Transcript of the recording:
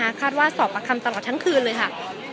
คาดว่าสอบประคำตลอดทั้งคืนเลยค่ะ